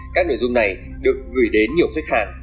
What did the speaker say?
các nội dung này được gửi đến nhiều khách hàng